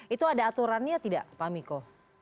itu ada aturannya tidak pak miko